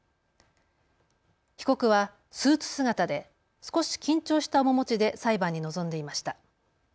被告はスーツ姿で少し緊張した面持ちで裁判に臨んでいました。